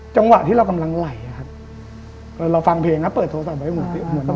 จังหวะที่เรากำลังไหลอะครับเราฟังเพลงนะเปิดโทรศัพท์ไว้เหมือน